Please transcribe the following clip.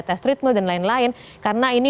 tes treadmill dan lain lain karena ini